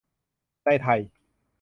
ในไทย